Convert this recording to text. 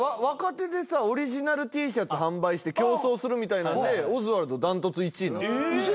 若手でさオリジナルＴシャツ販売して競争するみたいなのでオズワルド断トツ１位。